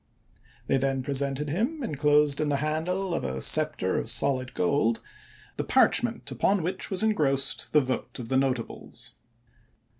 They then presented him, inclosed in the handle of a scepter of solid gold, the parchment upon which was engrossed the vote of the notables.